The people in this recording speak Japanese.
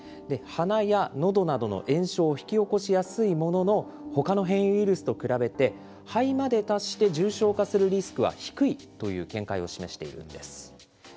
鼻やのどなどの炎症を引き起こしやすいものの、ほかの変異ウイルスと比べて、肺まで達して重症化するリスクは低いという見解を示しているんです。